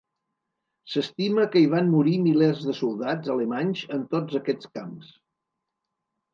S'estima que hi van morir milers de soldats alemanys en tots aquests camps.